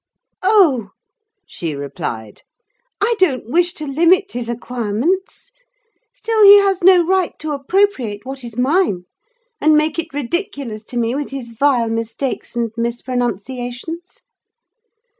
"Oh!" she replied, "I don't wish to limit his acquirements: still, he has no right to appropriate what is mine, and make it ridiculous to me with his vile mistakes and mispronunciations!